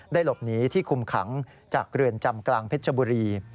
หลบหนีที่คุมขังจากเรือนจำกลางเพชรบุรี